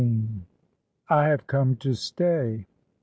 "I HAVE COME TO STAY."